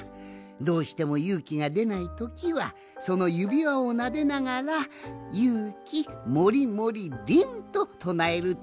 どうしてもゆうきがでないときはそのゆびわをなでながら「ゆうきもりもりりん」ととなえるとちからがわいてくるぞい。